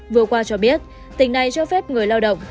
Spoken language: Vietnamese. vừa qua cho biết tỉnh này cho phép người lao động